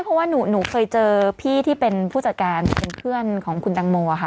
เพราะว่าหนูเคยเจอพี่ที่เป็นผู้จัดการเป็นเพื่อนของคุณตังโมค่ะ